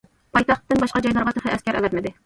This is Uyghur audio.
پايتەختتىن باشقا جايلارغا تېخى ئەسكەر ئەۋەتمىدى.